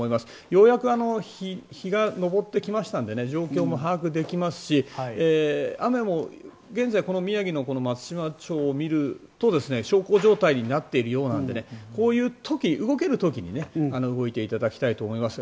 ようやく日が昇ってきましたので状況も把握できますし雨も現在この宮城の松島町を見ると小康状態になっているようなのでこういう時、動ける時に動いていただきたいと思います。